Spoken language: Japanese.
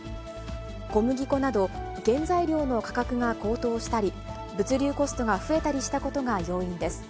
小麦粉など原材料の価格が高騰したり、物流コストが増えたりしたことが要因です。